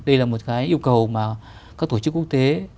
đây là một cái yêu cầu mà các tổ chức quốc tế